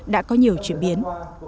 đã có nhiều chuyển biến